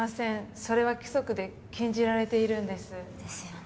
それは規則で禁じられているんですですよね